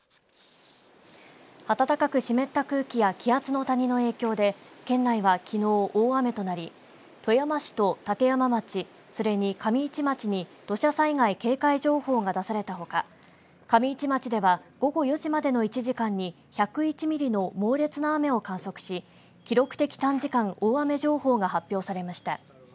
暖かく湿った空気や気圧の谷の影響で県内はきのう、大雨となり富山市と立山町それに上市町に土砂災害警戒情報が出されたほか上市町では午後４時までの１時間に１０１ミリの猛烈な雨を観測し記録的短時間大雨情報が発表されました。